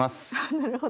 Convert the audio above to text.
なるほど。